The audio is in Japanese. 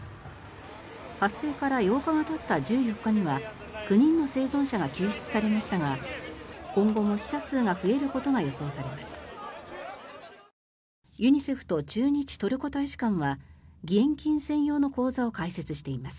発生から８日がたった１４日には９人の生存者が救出されましたが今後も死者数が増えることが予想されます。